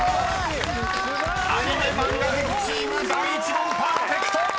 ［アニメ漫画好きチーム第１問パーフェクト！］